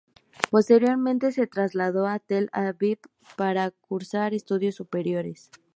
Posteriormente se trasladó a Tel Aviv para cursar estudios superiores.